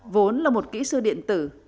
vốn là một kỹ sư điện tử